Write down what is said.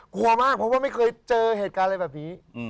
กลัวมากเพราะว่าไม่เคยเจอเหตุการณ์อะไรแบบนี้